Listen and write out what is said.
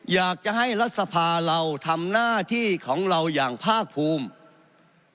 อยากจะให้รัฐสภาเราทำหน้าที่ของเราอย่างภาคภูมิ